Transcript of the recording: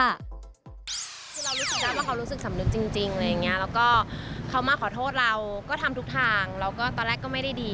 มันอยู่ที่ตัวเขาด้วยซึ่งเขาก็ทำหน้าที่ดี